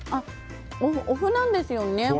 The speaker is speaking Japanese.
お麩なんですよね。